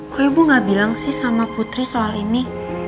kok ibu gak bilang sih sama putri soal ini